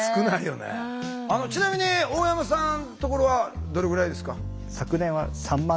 ちなみに大山さんところはどれぐらいですか？